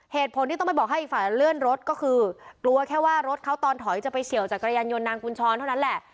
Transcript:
เหตุผลที่ต้องไปบอกให้อีกฝ่ายเลื่อนรถก็คือกลัวแค่ว่ารถเขาตอนถอยจะไปเฉียวจักรยานยนต์นางกุญชรเท่านั้นแหละ